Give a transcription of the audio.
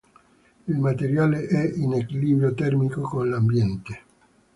Il materiale è in equilibrio termico con l'ambiente.